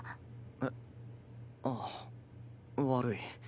えっあっ悪い。